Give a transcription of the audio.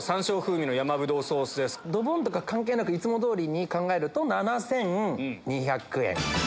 ドボンとか関係なくいつも通りに考えると７２００円。